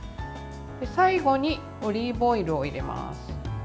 最後にオリーブオイルを入れます。